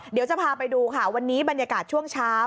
เดี๋ยวจะพาไปดูค่ะวันนี้บรรยากาศช่วงเช้า